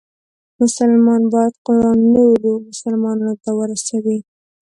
مسلمان باید قرآن نورو مسلمانانو ته ورسوي.